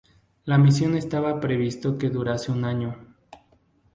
La misión estaba previsto que durase un año.